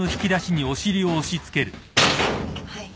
はい。